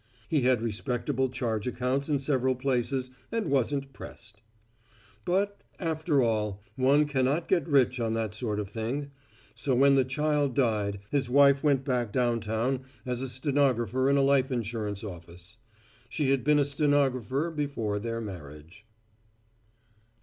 He had respectable charge accounts in several places and wasn't pressed. But, after all, one cannot get rich on that sort of thing; so when the child died, his wife went back downtown as a stenographer in a life insurance office. She had been a stenographer before their marriage.